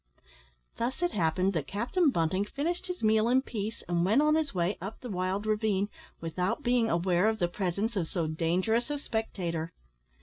Thus it happened that Captain Bunting finished his meal in peace, and went on his way up the wild ravine, without being aware of the presence of so dangerous a spectator.